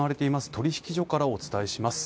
取引所からお伝えします。